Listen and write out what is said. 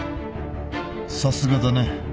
さすがだね